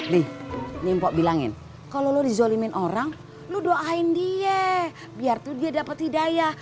nih mpok bilangin kalau lo dizolimin orang lo doain dia biar tuh dia dapat hidayah